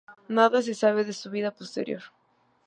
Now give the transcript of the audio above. Nada se sabe de su vida posterior.